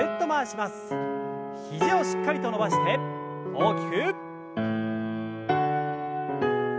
肘をしっかりと伸ばして大きく。